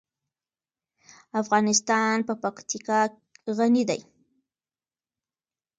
افغانستان په پکتیکا غني دی.